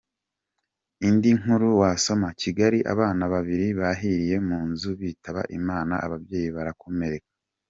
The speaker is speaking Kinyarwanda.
Indi nkuru wasoma : Kigali: Abana babiri bahiriye mu nzu bitaba Imana, ababyeyi barakomereka.